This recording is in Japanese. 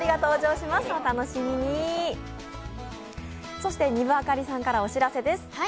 そして、丹生明里さんからお知らせです。